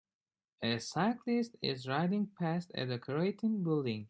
A cyclist is riding past a decorated building.